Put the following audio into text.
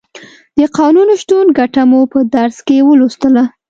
د قانون شتون ګټه مو په درس کې ولوستله.